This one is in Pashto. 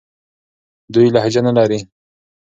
دوی لهجه نه لري.